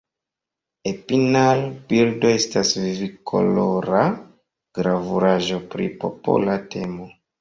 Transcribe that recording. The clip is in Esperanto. Epinal-bildo estas viv-kolora gravuraĵo pri popola temo.